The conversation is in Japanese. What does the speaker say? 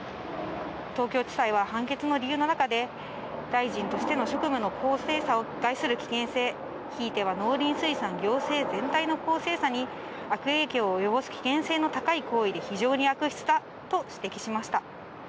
東京地裁は判決の理由の中で、大臣としての職務の公正さを害する危険性、ひいては農林水産行政全体の公正さに悪影響を及ぼす危険性の高い行為で非常に悪質だと指摘しました。